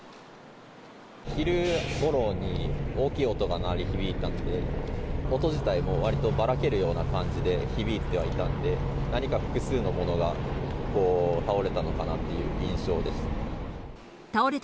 昼ごろに大きい音が鳴り響いたので、音自体もわりとばらけるような感じで、響いてはいたんで、何か複数のものがこう倒れたのかなっていう印象でした。